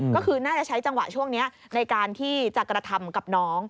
ก็คือน่าจะใช้จังหวะช่วงนี้ในการที่จะกระทำกับน้อง